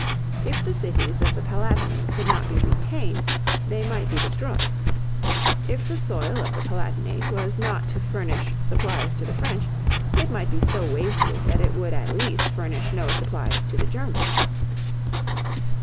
If the cities of the Palatinate could not be retained, they might be destroyed. If the soil of the Palatinate was not to furnish supplies to the French, it might be so wasted that it would at least furnish no supplies to the Germans.